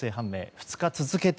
２日続けて